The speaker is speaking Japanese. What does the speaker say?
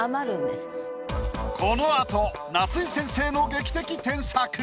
このあと夏井先生の劇的添削。